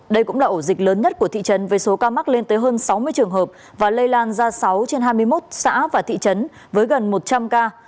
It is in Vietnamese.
đây cũng là ổ dịch lớn nhất của thị trấn với số ca mắc lên tới hơn sáu mươi trường hợp và lây lan ra sáu trên hai mươi một xã và thị trấn với gần một trăm linh ca